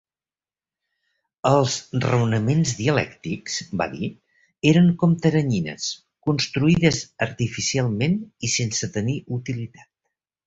"Els raonaments dialèctics", va dir, "eren com teranyines, construïdes artificialment i sense tenir utilitat.